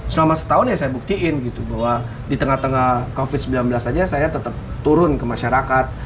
selama setahun ya saya buktiin gitu bahwa di tengah tengah covid sembilan belas saja saya tetap turun ke masyarakat